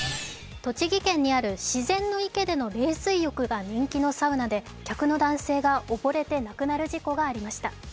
栃木県にある自然の池での冷水浴が人気の施設で客の男性が溺れて亡くなる事故がありました。